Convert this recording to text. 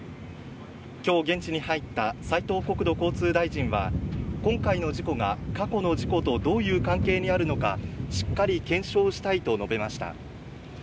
今日、現地に入った斉藤国土交通大臣は、今回の事故が過去の事故とどういう関係にあるのかしっかり検証したいと述べました。